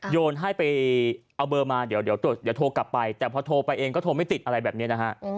โยนให้ไปเอาเบอร์มาเดี๋ยวโทรกลับไปแต่พอโทรไปเองก็โทรไม่ติดอะไรแบบนี้นะฮะ